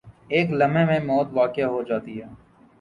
ایک لمحے میں موت واقع ہو جاتی ہے۔